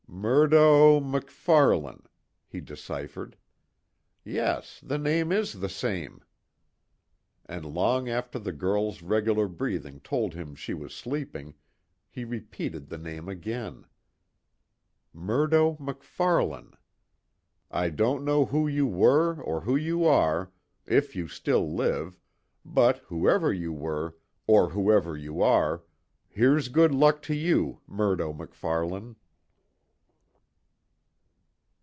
"Murdo MacFarlane," he deciphered, "Yes, the name is the same." And long after the girl's regular breathing told him she was sleeping, he repeated the name again: "Murdo MacFarlane. I don't know who you were or who you are, if you still live, but whoever you were, or whoever you are here's good luck to you Murdo MacFarlane!"